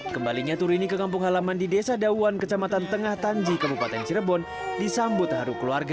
kembalinya turini ke kampung halaman di desa dawan kecamatan tengah tanji kabupaten cirebon disambut haru keluarga